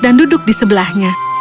dan duduk di sebelahnya